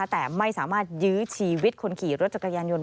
แต่ไม่สามารถยื้อชีวิตคนขี่รถจักรยานยนต